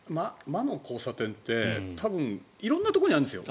魔の交差点って多分、色んなところにあるんですよ。